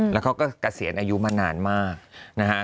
แล้วเขาก็เกษียณอายุมานานมากนะฮะ